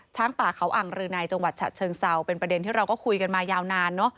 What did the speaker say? ช้างป่าเขาอ่างรือในจังหวัดฉะเชิงเซาเป็นประเด็นที่เราก็คุยกันมายาวนานเนอะ